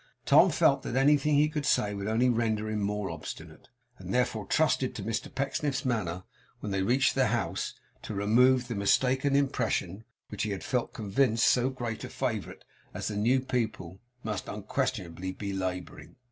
Tom felt that anything he could say would only render him the more obstinate, and therefore trusted to Mr Pecksniff's manner when they reached the house, to remove the mistaken impression under which he felt convinced so great a favourite as the new pupil must unquestionably be labouring.